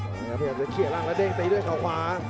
พยายามจะเขียนร่างแล้วเด้งตีด้วยเขาขวา